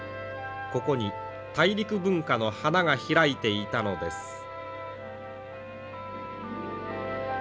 ここに大陸文化の華が開いていたのです。